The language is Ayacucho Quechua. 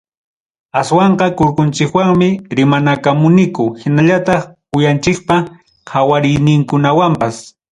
Aswanqa, kurkunchikwanmi rimanakamuniku hinallataq uyanchikpa qawariyninkunawanpas.